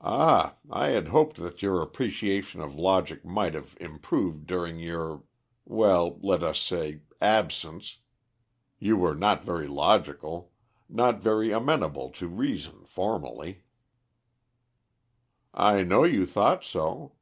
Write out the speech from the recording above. "Ah, I had hoped that your appreciation of logic might have improved during your well, let us say absence; you were not very logical not very amenable to reason, formerly." "I know you thought so."